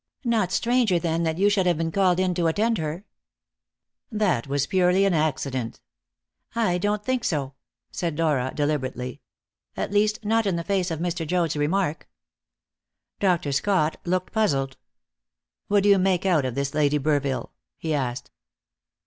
"Not stranger than that you should have been called in to attend her." "That was purely an accident." "I don't think so," said Dora deliberately; "at least, not in the face of Mr. Joad's remark." Dr. Scott looked puzzled. "What do you make out of this Lady Burville?" he asked.